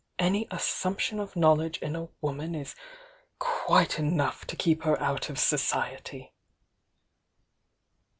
Any assumption of knowledge in a woman is quite enough to keep her out of so ciety!"